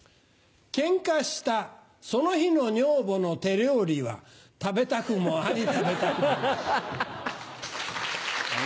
けんかしたその日の女房の手料理は食べたくもあり食べたくもなし。